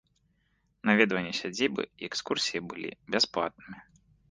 Наведванне сядзібы і экскурсіі былі бясплатнымі.